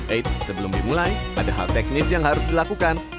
eits sebelum dimulai ada hal teknis yang harus dilakukan